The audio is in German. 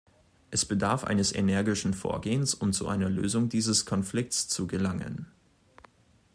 Es bedarf eines energischen Vorgehens, um zu einer Lösung dieses Konflikts zu gelangen.